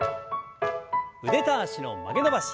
腕と脚の曲げ伸ばし。